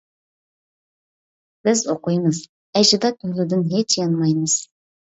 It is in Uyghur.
بىز ئوقۇيمىز، ئەجداد يولىدىن ھېچ يانمايمىز!